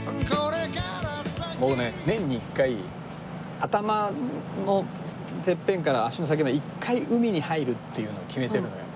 僕ね年に１回頭のてっぺんから足の先まで１回海に入るっていうのを決めてるのよ。